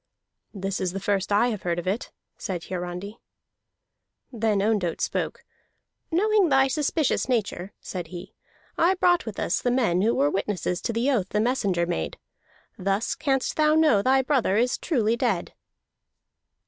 "This is the first I have heard of it," said Hiarandi. Then Ondott spoke. "Knowing thy suspicious nature," said he, "I brought with us the men who were witnesses to the oath the messenger made. Thus canst thou know thy brother is truly dead."